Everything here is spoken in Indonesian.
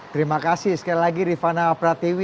terima kasih sekali lagi rifana pratiwi